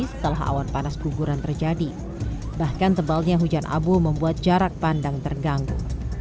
setelah awan panas guguran terjadi bahkan tebalnya hujan abu membuat jarak pandang terganggu